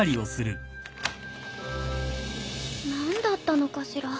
何だったのかしら。